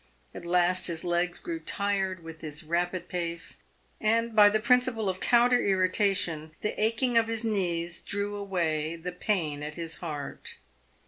At last his legs grew tired with his rapid pace, and, by the principle of counter irritation, the aching of his knees drew away the pain at his heart.